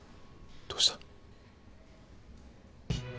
どうした？